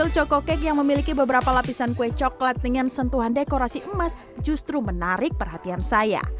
cokokek yang memiliki beberapa lapisan kue coklat dengan sentuhan dekorasi emas justru menarik perhatian saya